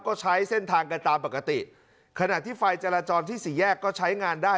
ก็ใช้เส้นทางกันตามปกติขณะที่ไฟจราจรที่สี่แยกก็ใช้งานได้